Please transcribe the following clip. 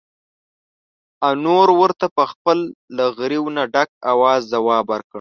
انور ورته په خپل له غريو نه ډک اواز ځواب ور کړ: